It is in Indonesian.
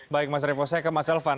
baik mas revo saya ke mas elvan